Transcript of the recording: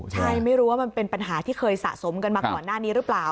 ใช่ไม่รู้ว่ามันเป็นปัญหาที่เคยสะสมกันมาก่อนหน้านี้หรือเปล่า